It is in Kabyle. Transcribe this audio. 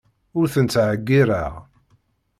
Ur ten-ttɛeyyiṛeɣ.